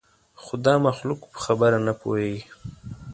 خو دا مخلوق په خبره نه پوهېږي.